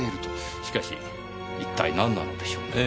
しかし一体何なのでしょうねぇ。